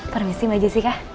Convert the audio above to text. permisi mbak jessica